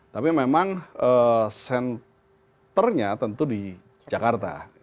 tapi memang centernya tentu di jakarta